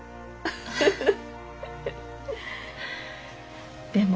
フフフフ。